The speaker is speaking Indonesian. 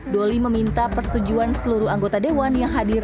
doli meminta persetujuan seluruh anggota dewan yang hadir